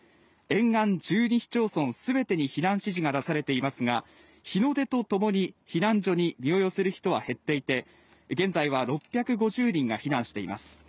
沿岸１２市町村全てに避難指示が出されていますが、日の出と共に避難所に身を寄せる人は減っていて現在は６５０人が避難しています。